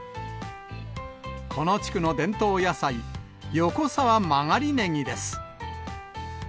この地区の伝統野菜、横沢曲がりねぎです。